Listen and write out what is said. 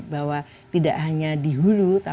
bahwa tidak hanya dihubungkan